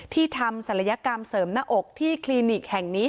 ทำศัลยกรรมเสริมหน้าอกที่คลินิกแห่งนี้